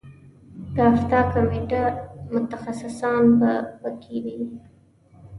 د افتا کمیټه متخصصان به په کې وي.